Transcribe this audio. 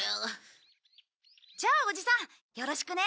じゃあおじさんよろしくね。